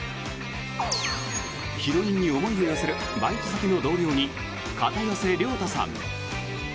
ヒロインに思いを寄せるバイト先の同僚に片寄涼太さん。